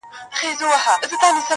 قافلې د سوداگرو يې لوټلې٫